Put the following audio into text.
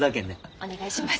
お願いします。